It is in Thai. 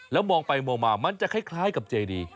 แล้วมองไปมองมามันจะคล้ายกับเจดี